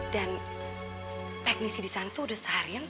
dan teknisi di sana tuh udah seharian